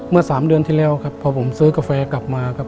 เมื่อ๓เดือนที่แล้วครับพอผมซื้อกาแฟกลับมาครับ